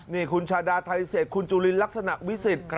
นี่คุณชาดาไทเสรตคุณจูลิรักษณะวิจิตร